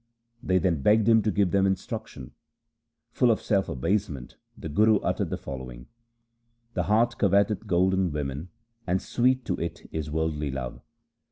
They then begged him to give them instruction. Full of self abasement the Guru uttered the following :— The heart coveteth gold and women, and sweet to it is worldly love.